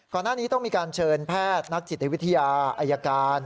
ก่อนหน้านี้ต้องมีการเชิญแพทย์นักจิตวิทยาอายการ